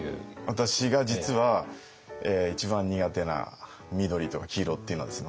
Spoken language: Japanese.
私が実は一番苦手な緑とか黄色っていうのはですね